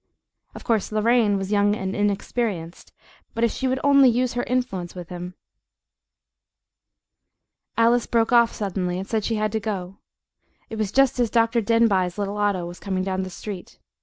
Of course Lorraine was young and inexperienced, but if she would only use her influence with him Alice broke off suddenly, and said she had to go it was just as Dr. Denbigh's little auto was coming down the street.